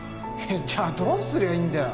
じゃあどうすりゃいいんだよ！